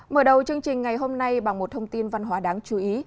mở đầu chương trình ngày hôm nay bằng một thông tin văn hóa đáng chú ý